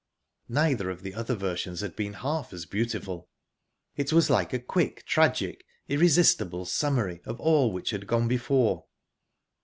Neither of the other versions had been half as beautiful; it was like a quick, tragic, irresistible summary of all which had gone before.